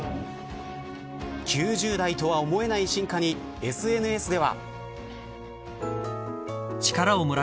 ９０代とは思えない進化にＳＮＳでは。